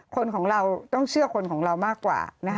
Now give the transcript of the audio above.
คนของเราต้องเชื่อคนของเรามากกว่า